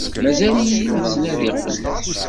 Mazal-iyi la ttnadiɣ fell-as.